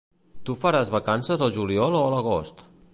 Tu faràs vacances al juliol o a l'agost?